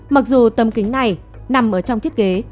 mặc dù tầm kính này nằm trong thiết kế